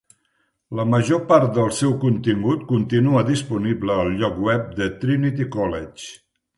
La major part del seu contingut continua disponible al lloc web del Trinity College.